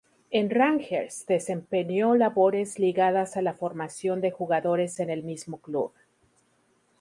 En Rangers desempeñó labores ligadas a la formación de jugadores en el mismo club.